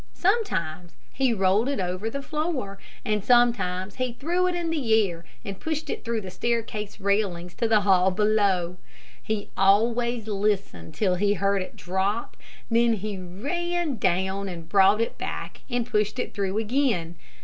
Sometimes he rolled it over the floor, and sometimes he threw it in the air and pushed it through the staircase railings to the hall below. He always listened till he heard it drop, then he ran down and brought it back and pushed it through again.